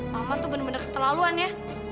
mama tuh bener bener terlaluan ya